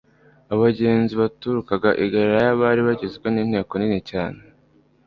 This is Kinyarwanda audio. Abagenzi baturukaga i Galilaya bari bagizwe n'inteko nini cyane.